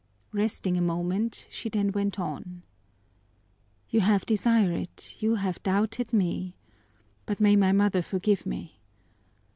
Resting a moment, she then went on: "You have desired it, you have doubted me! But may my mother forgive me!